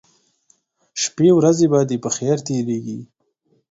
شپې ورځې به دې په خیر تیریږي